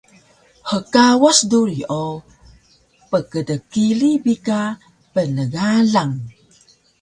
Hkawas duri o pkdkili bi ka pnegalang